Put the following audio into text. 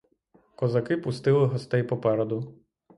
Козаки пустили гостей попереду.